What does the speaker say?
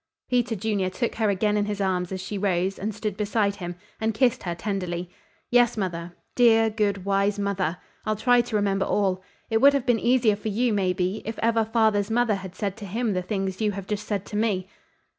Peter Junior took her again in his arms as she rose and stood beside him, and kissed her tenderly. "Yes, mother. Dear, good, wise mother! I'll try to remember all. It would have been easier for you, maybe, if ever father's mother had said to him the things you have just said to me."